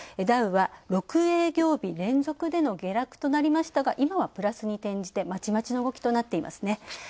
ダウは６営業日連続での下落となりましたが今はプラスに転じてまちまちの動きになっていますね。